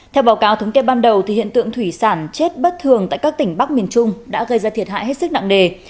theo báo cáo thống kê ban đầu hiện tượng thủy sản chết bất thường tại các tỉnh bắc miền trung đã gây ra thiệt hại hết sức nặng nề